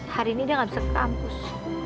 hari ini dia gak bisa ke kampus